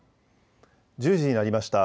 １０時になりました。